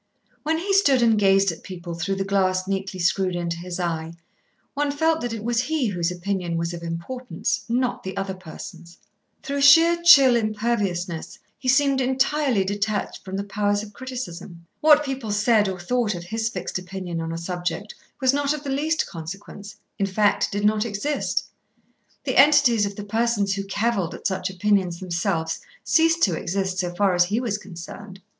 When he stood and gazed at people through the glass neatly screwed into his eye, one felt that it was he whose opinion was of importance, not the other person's. Through sheer chill imperviousness he seemed entirely detached from the powers of criticism. What people said or thought of his fixed opinion on a subject was not of the least consequence, in fact did not exist; the entities of the persons who cavilled at such opinions themselves ceased to exist, so far as he was concerned.